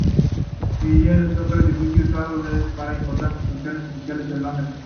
El Guildhall es otro edificio usado para importantes funciones oficiales en Londres.